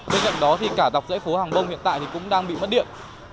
bên cạnh đó cả dọc dãy phố hàng bông hiện tại cũng đang bị mất điện